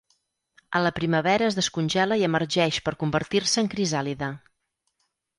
A la primavera es descongela i emergeix per convertir-se en crisàlide.